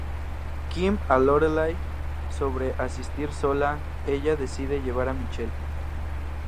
Kim a Lorelai sobre asistir sola, ella decide llevar a Michel.